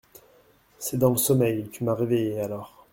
C’est dans le sommeil,… tu m’as réveillée, alors…